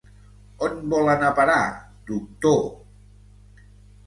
On vol anar a parar, doctor?